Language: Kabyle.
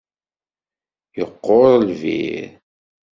Yeqqur lbir.